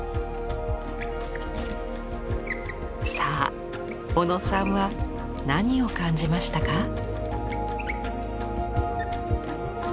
さあ小野さんは何を感じましたか？